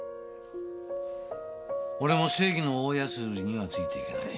俺も正義の大安売りにはついていけない。